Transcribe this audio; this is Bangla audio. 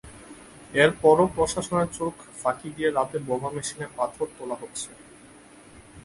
এরপরও প্রশাসনের চোখ ফাঁকি দিয়ে রাতে বোমা মেশিনে পাথর তোলা হচ্ছে।